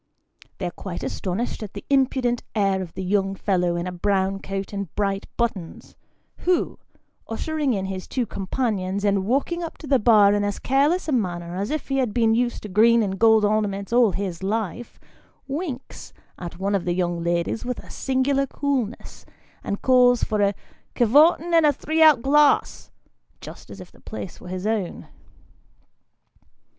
They are quite astonished at the impudent air of the young fellow in a brown coat and bright buttons, who, ushering in his two companions, and walking up to the bar in as careless a manner as if he had been used to green and gold ornaments all his life, winks at one of the young ladies with singular coolness, and calls for a " ker vorten and a three out glasn," just as if the place were his own.